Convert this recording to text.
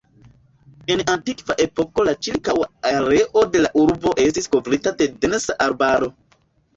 En antikva epoko la ĉirkaŭa areo de la urbo estis kovrita de densa arbaro.